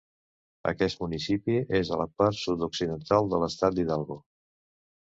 Aquest municipi és a la part sud-occidental de l'estat d'Hidalgo.